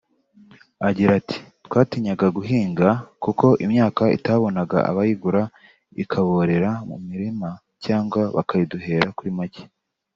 Agira ati “Twatinyaga guhinga kuko imyaka itabonaga abayigura ikaborera mu mirima cyangwa bakayiduhera kuri make